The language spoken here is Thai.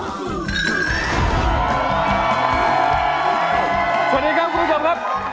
สวัสดีครับคุณผู้ชมครับ